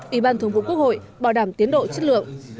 ủy ban thường vụ quốc hội bảo đảm tiến độ chất lượng